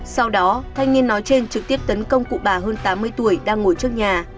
sau đó thanh niên nói trên trực tiếp tấn công cụ bà hơn tám mươi tuổi đang ngồi trước nhà